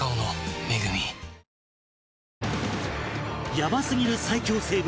ヤバすぎる最恐生物